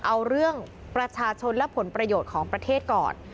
เอาเรื่องประชาชนและผลประโยชน์ของประเทศก่อน